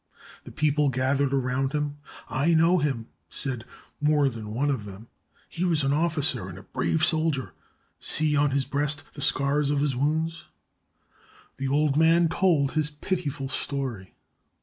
The people gathered around him. *'I know him," said more than one of them. "He was an officer and a brave soldier. See on his breast the scars of his wounds." The old man told his pitiful story.